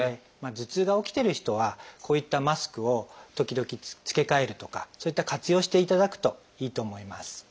頭痛が起きてる人はこういったマスクを時々つけ替えるとかそういった活用をしていただくといいと思います。